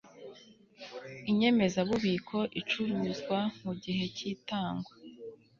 inyemezabubiko icuruzwa mu gihe cy itangwa